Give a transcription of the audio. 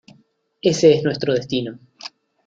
Ése es nuestro destino